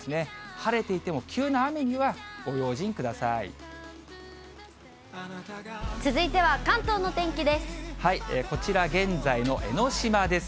晴れていても、急な雨にはご用心続いては、関東の天気です。